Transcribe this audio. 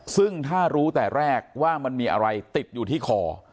ซึ่งถ้ารู้แต่แรกว่ามันมีอะไรติดอยู่ที่คอ